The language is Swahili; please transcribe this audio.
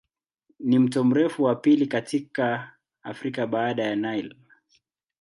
Ni mto mrefu wa pili katika Afrika baada ya Nile.